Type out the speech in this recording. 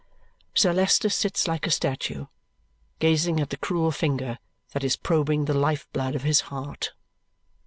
Sir Leicester sits like a statue, gazing at the cruel finger that is probing the life blood of his heart.